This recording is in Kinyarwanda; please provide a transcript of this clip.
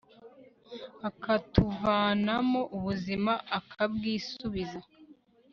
akatuvanamo ubuzima akabwisubiza